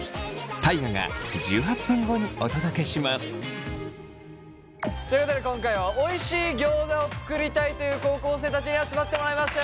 大我がということで今回はおいしいギョーザを作りたいという高校生たちに集まってもらいました。